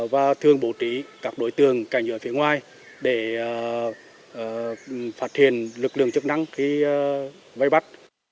và thường bổ trí các đối tượng cảnh giới phía ngoài để phát hiện lực lượng chức năng khi vây bắt